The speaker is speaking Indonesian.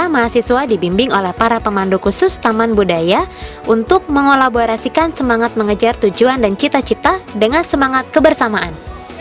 ketika keberagaman diwujudkan dalam kebersamaan maka yang terjadi adalah semangat kebersatan